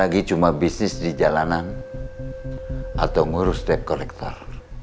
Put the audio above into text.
saya lagi cuma bisnis di jalanan atau ngurus step kolektor